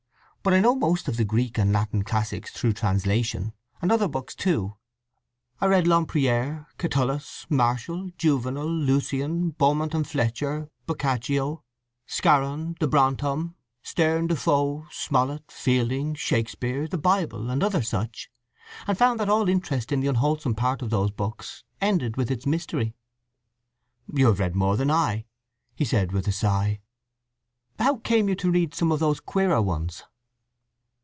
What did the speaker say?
But I know most of the Greek and Latin classics through translations, and other books too. I read Lemprière, Catullus, Martial, Juvenal, Lucian, Beaumont and Fletcher, Boccaccio, Scarron, De Brantôme, Sterne, De Foe, Smollett, Fielding, Shakespeare, the Bible, and other such; and found that all interest in the unwholesome part of those books ended with its mystery." "You have read more than I," he said with a sigh. "How came you to read some of those queerer ones?"